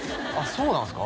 そうなんすか？